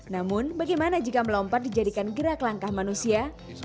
namun bagaimana jika melompat dijadikan gerak langkah manusia